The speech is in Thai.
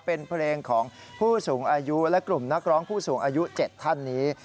เป็นเพลงของผู้สูงอายุและกลุ่มนักร้องผู้สูงอายุ๗ท่านนี้